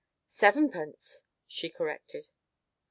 "Sevenpence!" she corrected.